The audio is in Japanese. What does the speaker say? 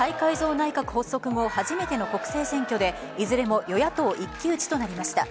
内閣発足後初めの国政選挙でいずれも与野党一騎打ちとなりました。